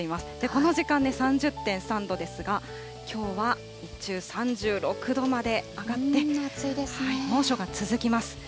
この時間で３０．３度ですが、きょうは日中３６度まで上がって、猛暑が続きます。